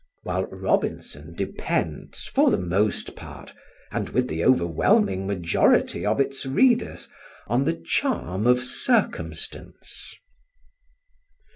While Robinson depends, for the most part and with the overwhelming majority of its readers, on the charm of circumstance.